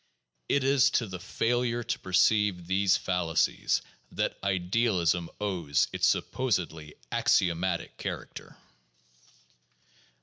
It is to the failure to perceive these fallacies that idealism owes its supposedly axiomatic character.